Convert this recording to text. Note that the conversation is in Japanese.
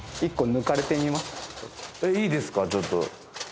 いいですかちょっと。